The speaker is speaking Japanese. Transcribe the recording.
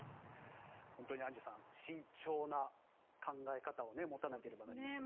本当にアンジュさん慎重な考え方を持たないといけないですね。